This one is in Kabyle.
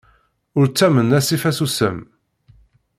Ur ttamen asif asusam!